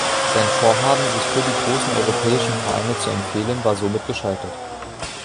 Sein Vorhaben sich für die großen Europäischen Vereine zu empfehlen, war somit gescheitert.